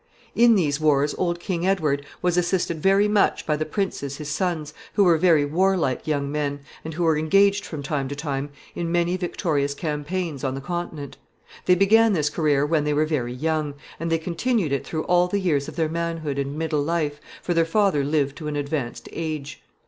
] In these wars old King Edward was assisted very much by the princes his sons, who were very warlike young men, and who were engaged from time to time in many victorious campaigns on the Continent. They began this career when they were very young, and they continued it through all the years of their manhood and middle life, for their father lived to an advanced age. [Sidenote: The Black Prince.